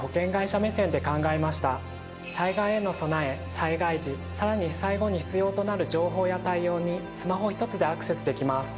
災害への備え災害時さらに被災後に必要となる情報や対応にスマホ１つでアクセスできます。